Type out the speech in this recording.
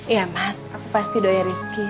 iya mas aku pasti doa rifqi